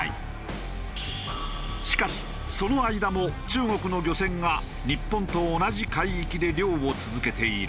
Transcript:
しかしその間も中国の漁船が日本と同じ海域で漁を続けている。